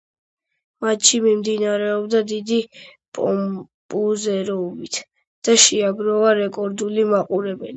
მატჩი მიმდინარეობდა დიდი პომპეზურობით და შეაგროვა რეკორდული მაყურებელი.